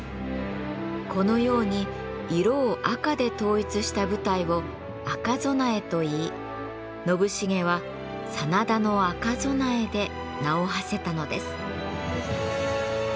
このように色を赤で統一した部隊を赤備えといい信繁は真田の赤備えで名をはせたのです。